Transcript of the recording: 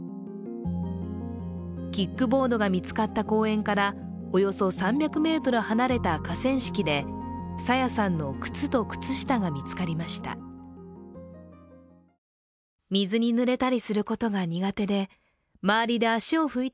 キックボードが見つかった公園からおよそ３００ｍ離れた河川敷で朝芽さんの靴と靴下が見つかりました。